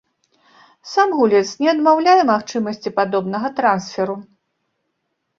Сам гулец не адмаўляе магчымасці падобнага трансферу.